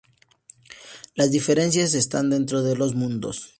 Las diferencias están dentro de los mundos.